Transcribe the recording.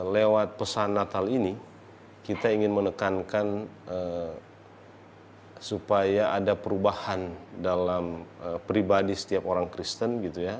lewat pesan natal ini kita ingin menekankan supaya ada perubahan dalam pribadi setiap orang kristen gitu ya